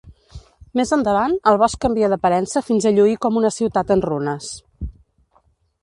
Més endavant, el bosc canvia d'aparença fins a lluir com una ciutat en runes.